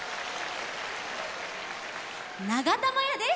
ながたまやです。